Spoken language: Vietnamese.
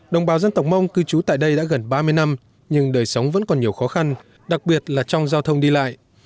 đồng bào dân tộc mông cư trú tại đây đã gần ba mươi năm nhưng đời sống vẫn còn nhiều khó khăn đặc biệt là trong giao thông đi lại